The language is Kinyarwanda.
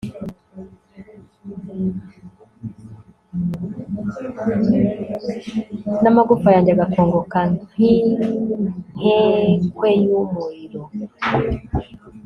n'amagufwa yanjye agakongoka nk'inkekwe y'umuriro